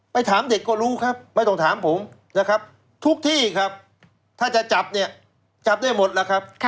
ถามเด็กก็รู้ครับไม่ต้องถามผมนะครับทุกที่ครับถ้าจะจับเนี่ยจับได้หมดแล้วครับ